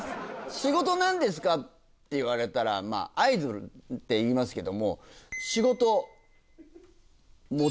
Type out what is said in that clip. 「仕事何ですか？」って言われたら「アイドル」って言いますけど。